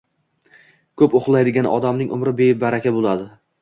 Ko‘p uxlaydigan odamning umri bebaraka bo‘ladi.